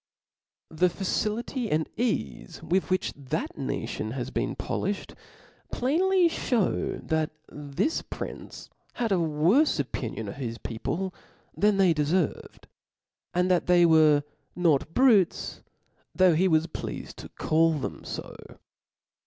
The facility and eafe with which that nation has been poliihed, plainly (hews, that this prioce had a worie opinion of his people than they deferved ; and that they were not brutes, though he was pleafed tO call them fo.